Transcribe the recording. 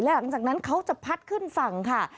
หลังจากนั้นเขาจะพัดขึ้นฝั่งค่ะ